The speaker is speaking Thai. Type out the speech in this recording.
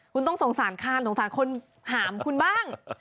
คุณต้องสงสารคานสงสารคนหามคุณบ้าง